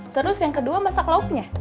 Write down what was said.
terus yang kedua masak lauknya